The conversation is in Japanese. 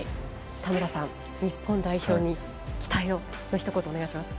田村さん、日本代表に期待をひと言お願いします。